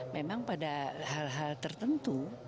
memang pada hal hal tertentu